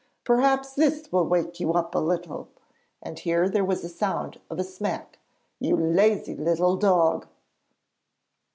Perhaps this will wake you up a little' and here there was the sound of a smack 'you lazy little dog.'